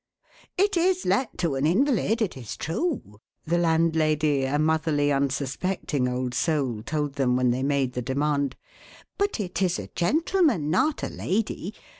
"It is let to an invalid, it is true," the landlady, a motherly, unsuspecting old soul, told them when they made the demand. "But it is a gentleman, not a lady.